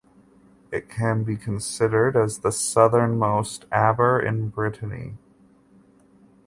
It can be considered as the southernmost aber in Brittany.